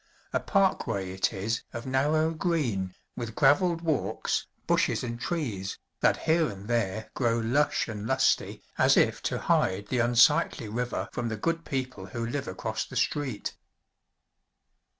A parkway it is of narrow green, with graveled walks, bushes and trees, that here and there grow lush and lusty as if to hide the unsightly river from the good people who live across the street.